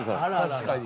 確かに。